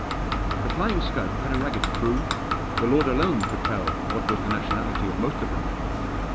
The Flying Scud had a ragged crew, The Lord alone could tell what was the nationality of most of them.